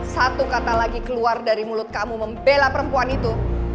satu kata lagi keluar dari mulut kamu membela perempuan itu